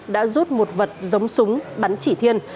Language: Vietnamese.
đã rút một vật giống súng bắn chỉ thiên